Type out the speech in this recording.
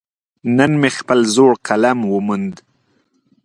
نن مې خپل زاړه قلم وموند.